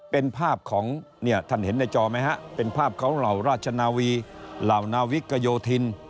เป็นภาพของเนี่ยท่านเห็นในจอไหมฮะเป็นภาพของเหล่าราชนาวีเหล่านาวิกโยธิน